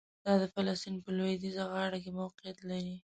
دا د فلسطین په لویدیځه غاړه کې موقعیت لري.